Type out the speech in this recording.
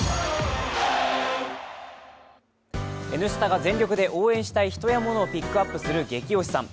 「Ｎスタ」が全力で応援したい人やモノをピックアップする「ゲキ推しさん」